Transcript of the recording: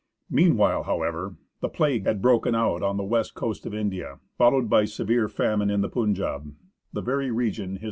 Meanwhile, however, the plague had broken out on the west coast of India, followed by severe famine in the Punjab, the very region H.R.